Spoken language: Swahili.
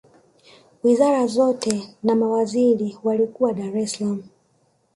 wizara zote na mawaziri walikuwa dar es salaam